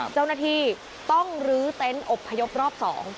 เจ้าหน้าที่ต้องลื้อเต็นต์อบพยพรอบ๒